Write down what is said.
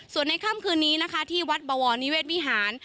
ส่วนในค่ำคืนนี้นะคะที่วัดบวรนิเวศวิหาร